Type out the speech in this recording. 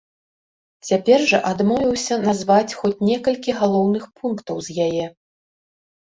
Цяпер жа адмовіўся назваць хоць некалькі галоўных пунктаў з яе.